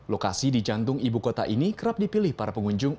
lokasi di jantung ibu kota ini kerap dipilih para pengunjung